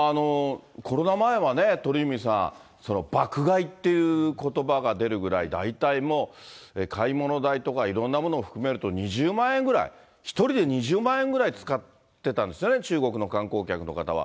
コロナ前はね、鳥海さん、爆買いっていうことばが出るぐらい、大体、買い物代とか、いろんなものを含めると、２０万円ぐらい、１人で２０万円ぐらい使ってたんですよね、中国の観光客の方は。